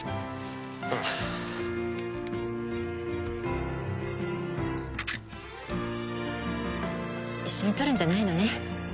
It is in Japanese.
ああ一緒に撮るんじゃないのね